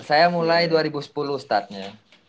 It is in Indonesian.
saya mulai dua ribu sepuluh startnya